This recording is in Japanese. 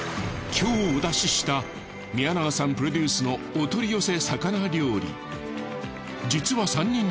今日お出しした宮永さんプロデュースのお取り寄せ魚料理。